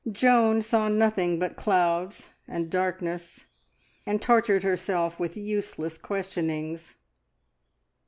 Joan saw nothing but clouds and darkness, and tortured herself with useless questionings.